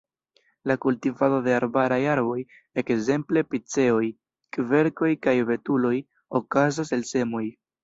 La kultivado de arbaraj arboj, ekzemple piceoj, kverkoj kaj betuloj, okazas el semoj.